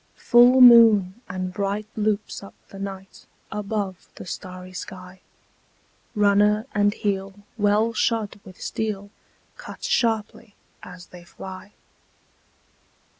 Full moon and bright loops up the night Above the starry sky. Runner and heel, well shod with steel, Cut sharply as they fly.